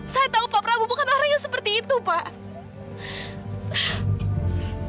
saya tahu pak prabowo bukan orang yang seperti itu pak